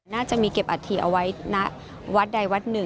น่าจะมีเก็บอัฐิเอาไว้ณวัฒน์ใดวัฒน์๑